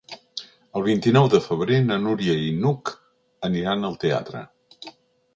El vint-i-nou de febrer na Núria i n'Hug aniran al teatre.